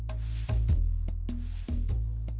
itu lebih mudah